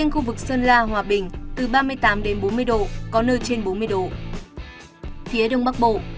khu vực nam bộ